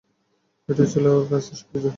এটাই ছিল ওর কাছে সবকিছু!